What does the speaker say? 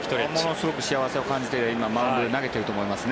すごく幸せを感じて今、マウンドで投げてると思いますね。